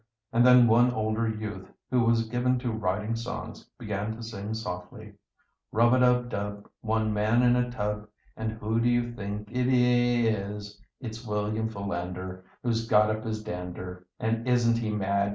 And then one older youth, who was given to writing songs, began to sing softly: "Rub a dub dub! One man in a tub, And who do you think it is, It's William Philander, Who's got up his dander, And isn't he mad!